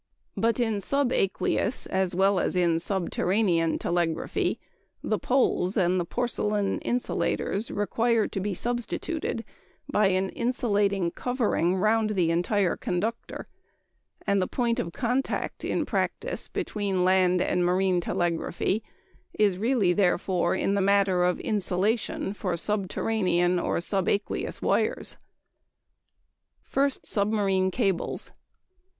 But in subaqueous (as well as in subterranean) telegraphy the poles and porcelain insulators require to be substituted by an insulating covering round the entire conductor; and the point of contact in practise between land and marine telegraphy is really, therefore, in the matter of insulation for subterranean or subaqueous wires. _First Submarine Cables.